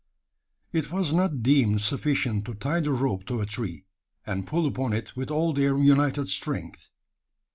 It was not deemed sufficient to tie the rope to a tree, and pull upon it with all their united strength.